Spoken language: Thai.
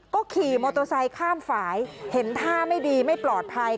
ก็ขี่มอเตอร์ไซค์ข้ามฝ่ายเห็นท่าไม่ดีไม่ปลอดภัย